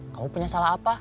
kamu punya salah apa